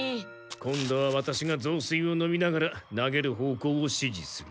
今度はワタシがぞうすいを飲みながら投げる方向を指示する。